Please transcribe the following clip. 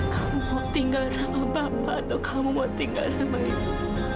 kamu mau tinggal sama bapak atau kamu mau tinggal sama ibu